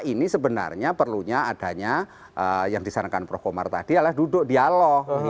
ini sebenarnya perlunya adanya yang disarankan prof komar tadi adalah duduk dialog